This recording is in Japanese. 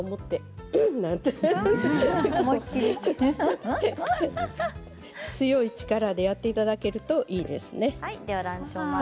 笑い声強い力でやっていただけるといいですね。